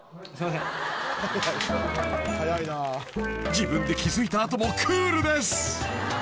［自分で気付いた後もクールです］